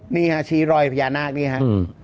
นี่ค่ะชี่รอยพญานาคนี่ค่ะ